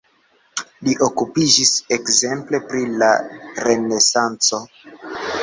Li okupiĝis ekzemple pri la renesanco.